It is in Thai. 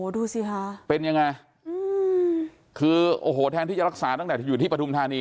ดูสิคะเป็นยังไงคือโอ้โหแทนที่จะรักษาตั้งแต่อยู่ที่ปฐุมธานี